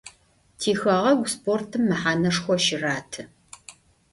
Tixeğegu sportım mehaneşşxo şıratı.